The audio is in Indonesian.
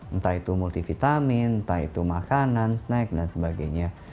entah itu multivitamin entah itu makanan snack dan sebagainya